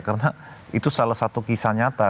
karena itu salah satu kisah nyata